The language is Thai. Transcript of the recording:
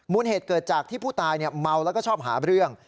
เหตุเกิดจากที่ผู้ตายเมาแล้วก็ชอบหาเรื่อง